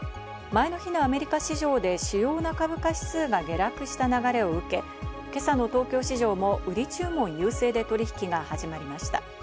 前の日のアメリカ市場で主要な株価指数が下落した流れを受け、今朝の東京市場も売り注文優勢で取引が始まりました。